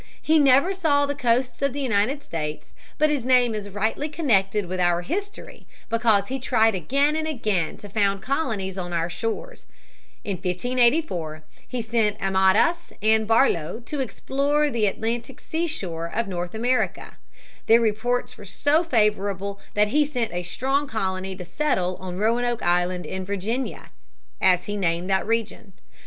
He never saw the coasts of the United States, but his name is rightly connected with our history, because he tried again and again to found colonies on our shores. In 1584 he sent Amadas and Barlowe to explore the Atlantic seashore of North America. Their reports were so favorable that he sent a strong colony to settle on Roanoke Island in Virginia, as he named that region.